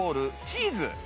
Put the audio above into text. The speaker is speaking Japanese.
チーズ？